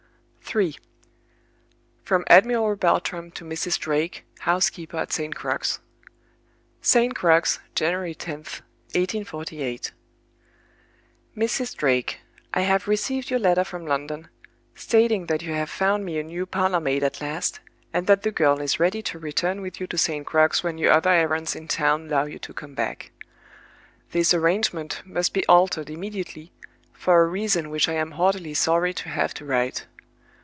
III. From Admiral Bartram to Mrs. Drake (housekeeper at St. Crux). "St. Crux, January 10th, 1848. "MRS. DRAKE, "I have received your letter from London, stating that you have found me a new parlor maid at last, and that the girl is ready to return with you to St. Crux when your other errands in town allow you to come back. "This arrangement must be altered immediately, for a reason which I am heartily sorry to have to write.